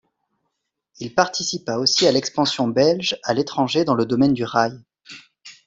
Il participa aussi à l'expansion belge à l'étranger dans le domaine du rail.